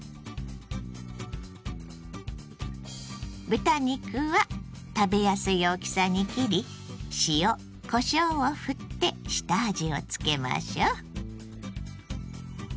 豚肉は食べやすい大きさに切り塩こしょうをふって下味をつけましょう。